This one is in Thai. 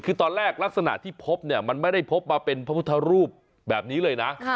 คือตอนแรกลักษณะที่พบเนี่ยมันไม่ได้พบมาเป็นพระพุทธรูปแบบนี้เลยนะ